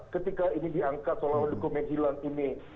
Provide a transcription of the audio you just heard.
ketika ini diangkat soal dokumen hilang ini